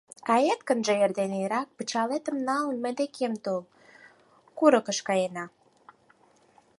Кает гынже, эрден эрак, пычалетым налын, мый декем тол — курыкыш каена.